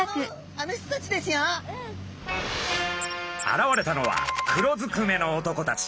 現れたのは黒ずくめの男たち。